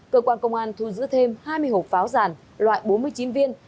cơ quan công an thu giữ thêm hai mươi hồ pháo ràn loại bốn mươi chín viên